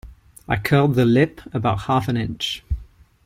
I curled the lip about half an inch.